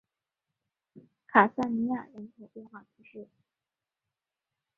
卡萨尼亚人口变化图示